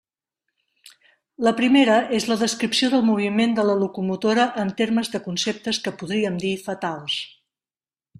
La primera és la descripció del moviment de la locomotora en termes de conceptes que podríem dir «fatals».